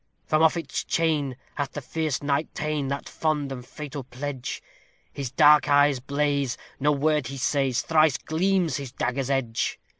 From off its chain hath the fierce knight ta'en that fond and fatal pledge; His dark eyes blaze, no word he says, thrice gleams his dagger's edge!